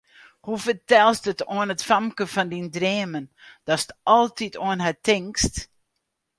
Hoe fertelst it oan it famke fan dyn dreamen, datst altyd oan har tinkst?